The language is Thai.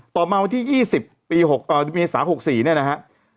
ต่อมาวันที่๒๐ปี๑๓๖๔เนี่ยนะครับ